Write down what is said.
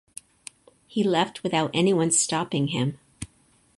He left without anyone stopping him.